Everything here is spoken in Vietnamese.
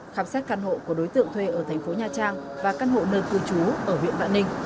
khám xét căn hộ của đối tượng thuê ở thành phố nha trang và căn hộ nơi cư trú ở huyện vạn ninh